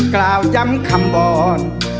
กล่าวย้ำคำบอน